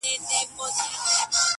شپه په ورو ورو پخېدلای؛